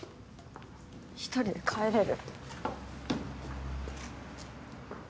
１人で帰れる。